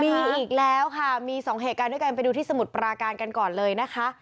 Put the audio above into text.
มีอีกแล้วค่ะมีสองเหตุการณ์ด้วยกันไปดูที่สมุทรปราการกันก่อนเลยนะคะ